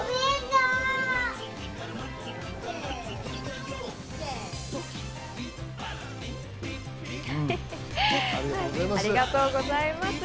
ありがとうございます。